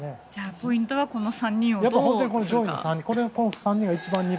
ポイントはこの３人をどうするか。